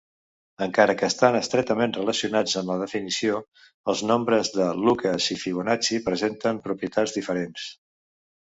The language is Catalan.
Encara que estan estretament relacionats en la definició, els nombres de Lucas i Fibonacci presenten propietats diferents.